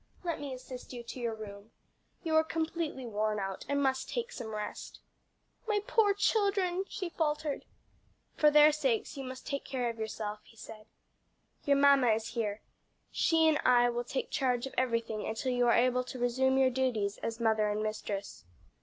Let me assist you to your room. You are completely worn out, and must take some rest." "My poor children " she faltered. "For their sakes you must take care of yourself," he said. "Your mamma is here. She and I will take charge of everything until you are able to resume your duties as mother and mistress."